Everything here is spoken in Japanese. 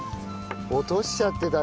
落としちゃってたね。